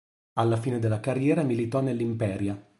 Alla fine della carriera militò nell'Imperia.